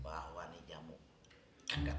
bahwa nih jamu gak ada manfaat